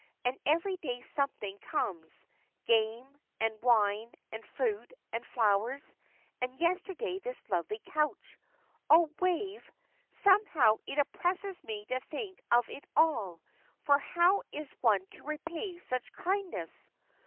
And every day something comes game, and wine, and fruit, and flowers, and yesterday this lovely couch. Oh, Wave, somehow it oppresses me to think of it all, for how is one to repay such kindness?"